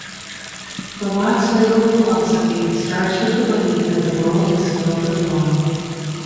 Barak's legal philosophy starts with the belief that "the world is filled with law".